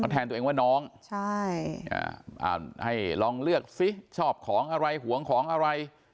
แทนตัวเองว่าน้องให้ลองเลือกซิชอบของอะไรหวงของอะไร